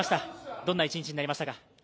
どんな一日になりましたか。